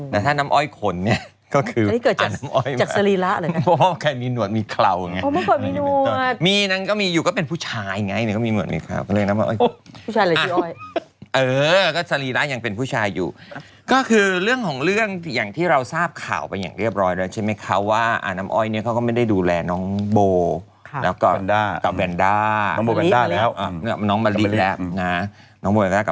แต่ถ้าน้ำอ้อยขนเนี่ยก็คืออ้าน้ำอ้อยมาก